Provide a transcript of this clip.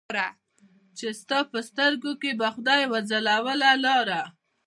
چې ستا په سترګو کې به خدای وځلوله لاره